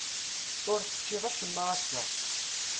Ur teččiḍ acemma ass-a.